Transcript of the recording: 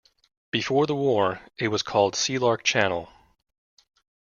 Before the war, it was called Sealark Channel.